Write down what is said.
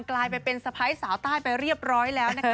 ลายไปเป็นสะพ้ายสาวใต้ไปเรียบร้อยแล้วนะคะ